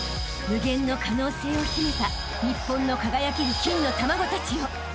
［無限の可能性を秘めた日本の輝ける金の卵たちよ］